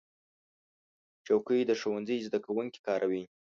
چوکۍ د ښوونځي زده کوونکي کاروي.